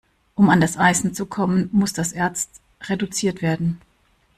Um an das Eisen zu kommen, muss das Erz reduziert werden.